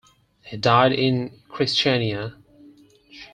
He died in Christiania.